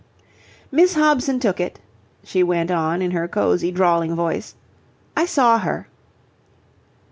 "Miss Hobson took it," she went on in her cosy, drawling voice. "I saw her."